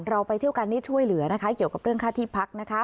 เราไปเที่ยวกันนี่ช่วยเหลือนะคะเกี่ยวกับเรื่องค่าที่พักนะคะ